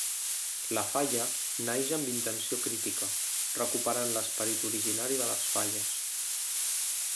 La falla naix amb intenció crítica, recuperant l'esperit originari de les falles.